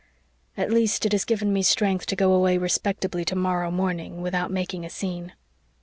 At least, it has given me strength to go away respectably tomorrow morning, without making a scene.